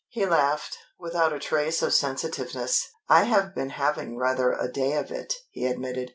He laughed, without a trace of sensitiveness. "I have been having rather a day of it," he admitted.